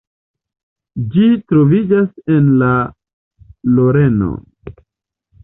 Ĝi troviĝas en la Loreno.